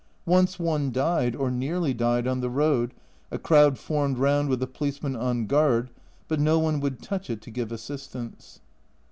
Once one died, or nearly died, on the road, a crowd formed round, with a police man on guard, but no one would touch it to give assistance.